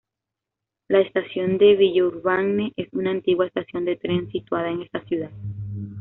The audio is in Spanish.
La Estación de Villeurbanne es una antigua estación de tren situada en esta ciudad.